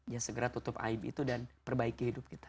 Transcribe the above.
ya segera tutup aib itu dan perbaiki hidup kita